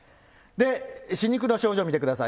歯肉の症状見てください。